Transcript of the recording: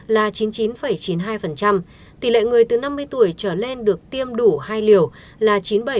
là chín mươi chín chín mươi hai tỷ lệ người từ năm mươi tuổi trở lên được tiêm đủ hai liều là chín mươi bảy hai mươi ba